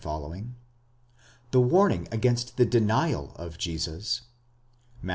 the warning against the denial of Jesus (Matt.